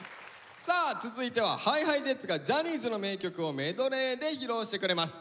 さあ続いてはＨｉＨｉＪｅｔｓがジャニーズの名曲をメドレーで披露してくれます。ＨｉＨｉＪｅｔｓ